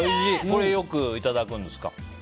これ、よくいただくんですか？